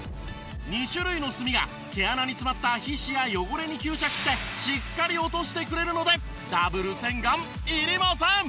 ２種類の炭が毛穴に詰まった皮脂や汚れに吸着してしっかり落としてくれるのでダブル洗顔いりません！